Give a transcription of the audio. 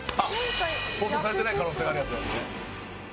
「放送されてない可能性があるやつなんだね」